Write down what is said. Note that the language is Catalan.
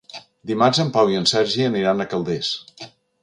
Dimarts en Pau i en Sergi aniran a Calders.